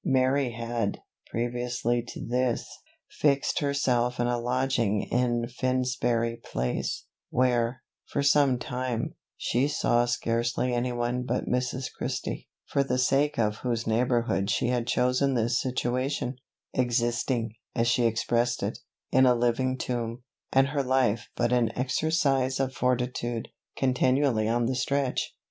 Mary had, previously to this, fixed herself in a lodging in Finsbury place, where, for some time, she saw scarcely any one but Mrs. Christie, for the sake of whose neighbourhood she had chosen this situation; "existing," as she expressed it, "in a living tomb, and her life but an exercise of fortitude, continually on the stretch."